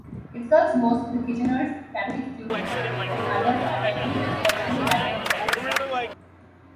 It serves most of Kitchener's Catholic students, with others attending Resurrection Catholic Secondary School.